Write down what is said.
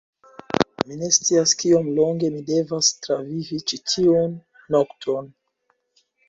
Mi ne scias kiom longe mi devas travivi ĉi tiun nokton.